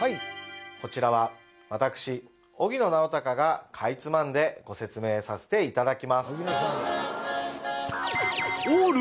こちらは私荻野直孝がかいつまんでご説明させていただきます